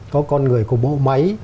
có con người của bộ máy